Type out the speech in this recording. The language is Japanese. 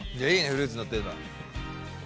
フルーツのってるの。